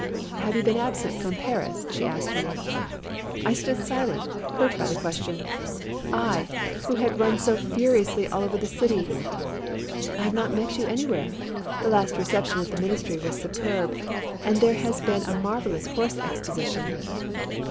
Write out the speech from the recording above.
" Have you been absent from Paris ?" she asked me. I stood silent, hurt by the question — I, who had run so furiously all over the city !'' I have not met you anywhere. The last reception at the Ministry was superb, and there has been a mar vellous horse exposition."